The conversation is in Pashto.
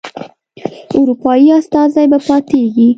اروپایي استازی به پاتیږي.